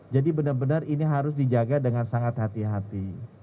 jadi benar benar ini harus dijaga dengan sangat hati hati